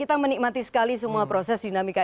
kita menikmati sekali semua proses dinamika